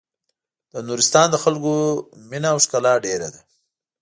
د نورستان د خلکو مينه او ښکلا ډېره ده.